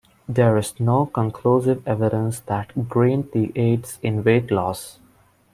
There is no conclusive evidence that green tea aids in weight loss.